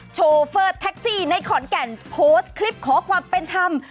โชเฟอร์แท็กซี่ในขอนแก่นโพสต์คลิปขอความเป็นธรรม